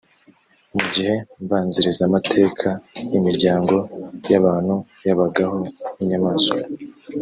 mu gihe mbanzirizamateka, imiryango y’abantu yabagaho nk’inyamaswa